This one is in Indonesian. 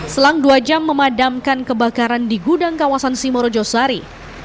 selang dua jam memadamkan kebakaran di gudang kawasan simorojosari